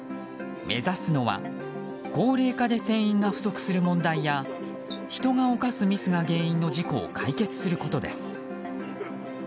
目指すのは高齢化で船員が不足する問題や人がおかすミスが原因の事故を解決することです。